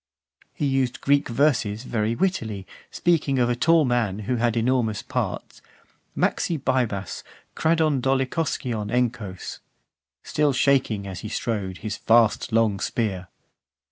XXIII. He used Greek verses very wittily; speaking of a tall man, who had enormous parts: Makxi bibas, kradon dolichoskion enchos; Still shaking, as he strode, his vast long spear.